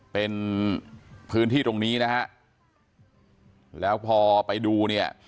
เป็นพื้นที่ตรงนี้แล้วพอไปดู